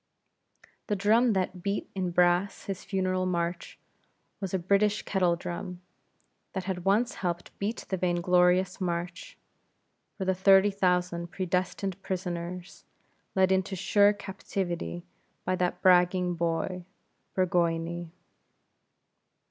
The drum that beat in brass his funeral march, was a British kettle drum, that had once helped beat the vain glorious march, for the thirty thousand predestined prisoners, led into sure captivity by that bragging boy, Burgoyne.